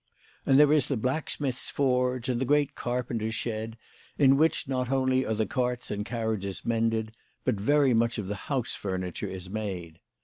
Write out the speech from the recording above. And there is the blacksmith's forge, and the great carpenter's shed, in which not only are the carts and carriages mended, but very much of the house furniture is made.